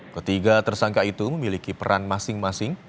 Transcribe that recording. ketiga tersangka itu memiliki peran masing masing